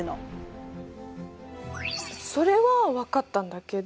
それは分かったんだけど。